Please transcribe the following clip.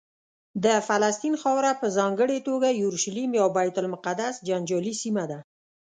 د فلسطین خاوره په ځانګړې توګه یورشلیم یا بیت المقدس جنجالي سیمه ده.